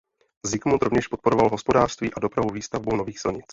Zikmund rovněž podporoval hospodářství a dopravu výstavbou nových silnic.